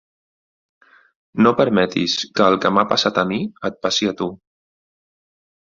No permetis que el que m'ha passat a mi et passi a tu.